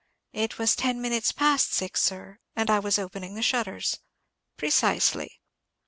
"It was ten minutes past six, sir, and I was opening the shutters." "Precisely."